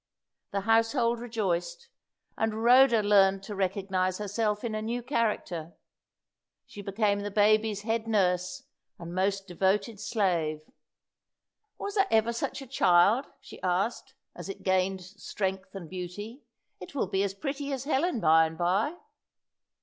The household rejoiced, and Rhoda learnt to recognise herself in a new character. She became the baby's head nurse and most devoted slave. "Was there ever such a child?" she asked, as it gained strength and beauty. "It will be as pretty as Helen by and by."